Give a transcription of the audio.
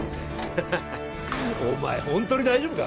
ハハハお前ホントに大丈夫か？